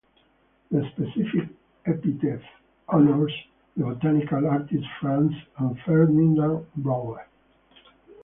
The specific epithet honours the botanical artists Franz and Ferdinand Bauer.